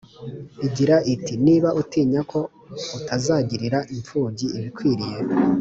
igira iti niba utinya ko utazagirira imfubyi ibikwiriye